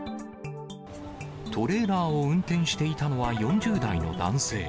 トレーラーを運転していたのは４０代の男性。